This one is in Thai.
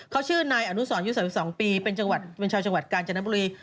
เขาชื่อนายอนุสรอยู่สัก๒ปีเป็นชาวจังหวัดกาลจานบุรี